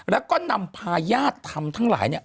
แล้วก็นำพาญาติธรรมทั้งหลายเนี่ย